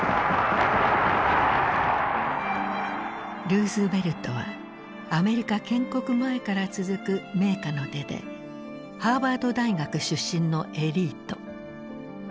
ルーズベルトはアメリカ建国前から続く名家の出でハーバード大学出身のエリート。